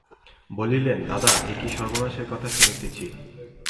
বলিলেন, দাদা, এ কী সর্বনাশের কথা শুনিতেছি?